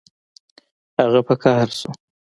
هغه په قهر شو